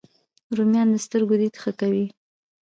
رومیان د سترګو دید ښه کوي